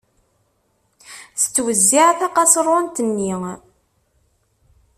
Tettwezziε tqaṣrunt-nni.